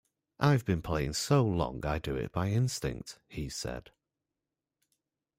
"I've been playing so long I do it by instinct" he said.